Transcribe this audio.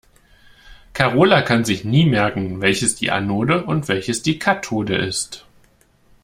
Karola kann sich nie merken, welches die Anode und welches die Kathode ist.